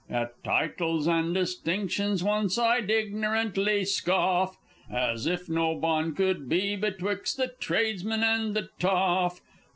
At titles and distinctions once I'd ignorantly scoff, As if no bond could be betwixt the tradesman and the toff!